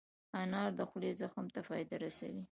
انار د خولې زخم ته فایده رسوي.